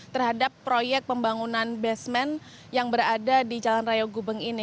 terhadap proyek pembangunan basement yang berada di jalan raya gubeng ini